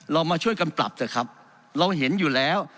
มาช่วยกันปรับเถอะครับเราเห็นอยู่แล้ว